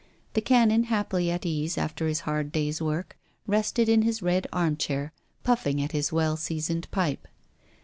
The Canon, happily at case after his hard day's work, rested in his rid armchair puffing at his well seasoned pipe.